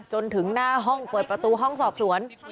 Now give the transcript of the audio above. จนถึงหน้าห้องเปิดประตูห้องสอบสวน